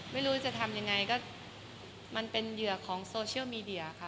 ไม่รู้จะทำยังไงก็มันเป็นเหยื่อของโซเชียลมีเดียค่ะ